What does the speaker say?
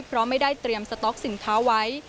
เพราะไม่ได้เตรียมสต๊อกสินค้าไว้